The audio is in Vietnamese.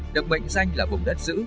được mệnh danh là vùng đất giữ